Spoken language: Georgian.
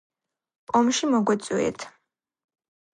ომში მოგვიწვიეთ